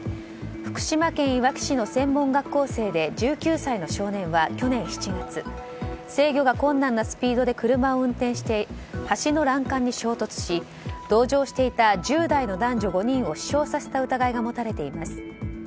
福島県いわき市の専門学校生で１９歳の少年は去年７月制御が困難なスピードで車を運転して、橋の欄干に衝突し同乗していた１０代の男女５人を死傷させた疑いが持たれています。